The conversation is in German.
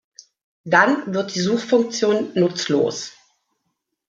Dann wird die Suchfunktion nutzlos.